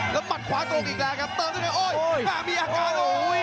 แล้วมัดขวาโตกอีกแล้วครับเติมที่ไหนโอ้ยมีอาการ